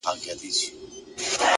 علم د انسان فکر ژوروي.